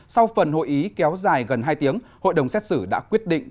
sau phần hội ý kéo dài gần hai tiếng hội đồng xét xử đã quyết định